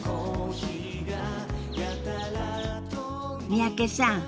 三宅さん。